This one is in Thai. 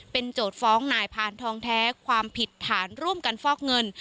โจทย์ฟ้องนายพานทองแท้ความผิดฐานร่วมกันฟอกเงิน